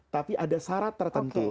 tapi ada syarat tertentu